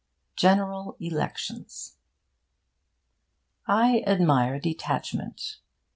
GENERAL ELECTIONS I admire detachment.